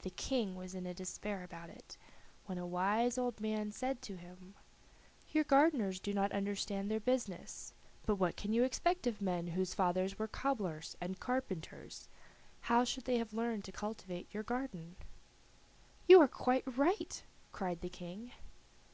The King was in despair about it, when a wise old man said to him: "Your gardeners do not understand their business: but what can you expect of men whose fathers were cobblers and carpenters? How should they have learned to cultivate your garden?" "You are quite right," cried the King.